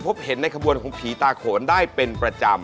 พบเห็นในขบวนของผีตาโขนได้เป็นประจำ